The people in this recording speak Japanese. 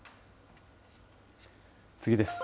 次です。